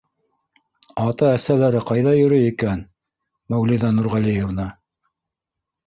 — Ата-әсәләре ҡайҙа йөрөй икән, Мәүлиҙә Нурғәлиевна?